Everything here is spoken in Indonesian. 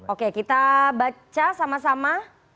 oke kita baca sama sama